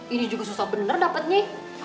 ini juga susah bener dapetnya